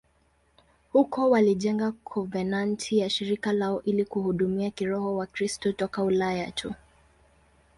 Huko walijenga konventi ya shirika lao ili kuhudumia kiroho Wakristo toka Ulaya tu.